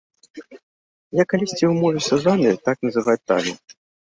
Я калісьці ўмовіўся з вамі так называць талент.